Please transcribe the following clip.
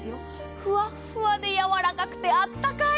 ふわっふわで柔らかくて、あったかい！